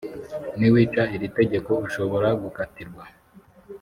niwica iri tegeko ushobora gukatirwa